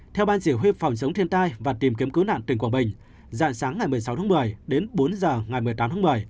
theo ban chỉ huy phòng chống thiên tai và tìm kiếm cứu nạn tỉnh quảng bình dạng sáng ngày một mươi sáu tháng một mươi đến bốn giờ ngày một mươi tám tháng một mươi